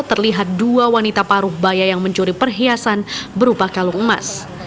terlihat dua wanita paruh baya yang mencuri perhiasan berupa kalung emas